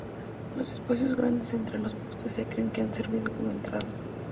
Los espacios grandes entre los postes se cree que han servido como entradas.